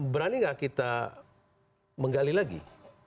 berani nggak kita menggali lagi